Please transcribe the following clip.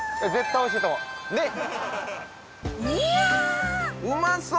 ねっいやうまそう！